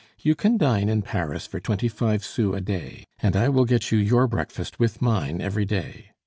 You can dine in Paris for twenty five sous a day, and I will get you your breakfast with mine every day.